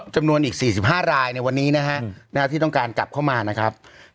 จำนวนอีก๔๕รายในวันนี้นะฮะที่ต้องการกลับเข้ามานะครับ